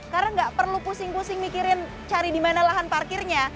karena enggak perlu pusing pusing mikirin cari di mana lahan parkirnya